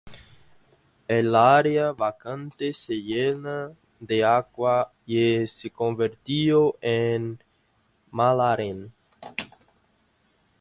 El área vacante se llena de agua y se convirtió en Mälaren.